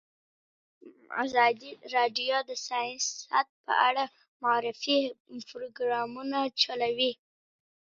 ازادي راډیو د سیاست په اړه د معارفې پروګرامونه چلولي.